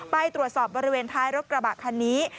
ไปตรวจสอบบริเวณท้ายรถกระบะคันนี้